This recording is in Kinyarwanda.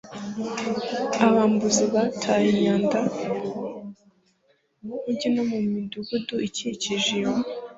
abambuzi bataye imyanda mu mujyi no mu midugudu ikikije iyo